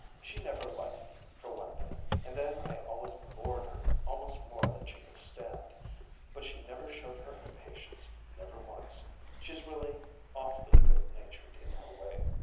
She never liked me, for one thing; and then I always bored her almost more than she could stand. But she never showed her impatience, never once. She's really awfully good natured in her way.